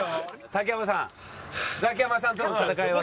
竹山さんザキヤマさんとの戦いは。